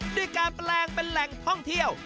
ด้วยการแปลงเป็นแหล่งท่องเที่ยว